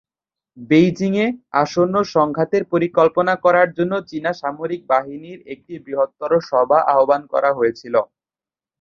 বেইজিংয়ে, আসন্ন সংঘাতের পরিকল্পনা করার জন্য চীনা সামরিক বাহিনীর একটি বৃহত্তর সভা আহ্বান করা হয়েছিল।